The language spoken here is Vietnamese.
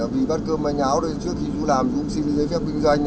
vì bắt cơm mà nháo trước khi chú làm chú xin giấy phép kinh doanh